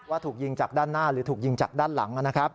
ถูกยิงจากด้านหน้าหรือถูกยิงจากด้านหลังนะครับ